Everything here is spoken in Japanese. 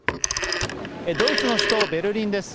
ドイツの首都ベルリンです。